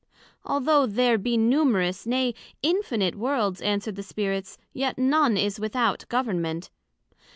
Although there be numerous, nay, infinite Worlds, answered the Spirits, yet none is without Government.